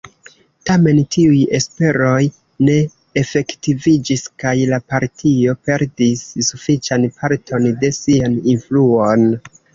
Tamen tiuj esperoj ne efektiviĝis kaj la partio perdis sufiĉan parton de sian influon.